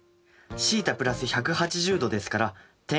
θ＋１８０°ですから点